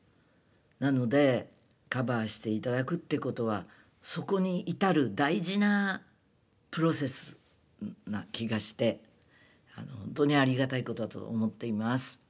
なのでカバーして頂くってことはそこに至る大事なプロセスな気がしてほんとにありがたいことだと思っています。